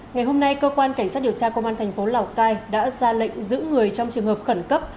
ngày hôm nay cơ quan cảnh sát điều tra công an thành phố lào cai đã ra lệnh giữ người trong trường hợp khẩn cấp